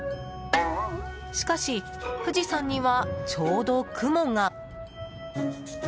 しかし、富士山にはちょうど雲が。